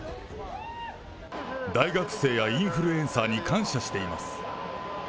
大学生やインフルエンサーに感謝しています。